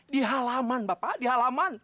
di halaman bapak di halaman